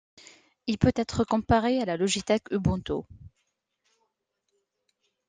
Il peut être comparé à la logithèque Ubuntu.